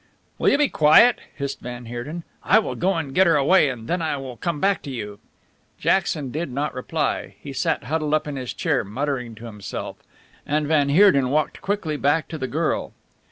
"Will you be quiet?" hissed van Heerden. "I will go and get her away and then I will come back to you." Jackson did not reply. He sat huddled up in his chair, muttering to himself, and van Heerden walked quickly back to the girl.